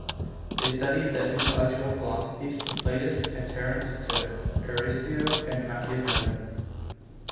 They studied the intellectual philosophies from Plautus and Terence to Ariosto and Machiavelli.